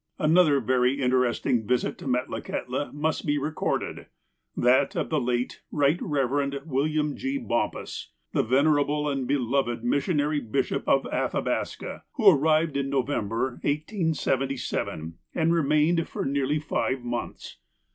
Another very interesting visit to Metlakahtla must be recorded. That of the late Eight Eevereud William G. Bompas, the venerable and beloved missionary bishop of Athabaska, who arrived in November, 1877, and re mained for nearly five months.